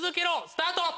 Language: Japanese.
スタート！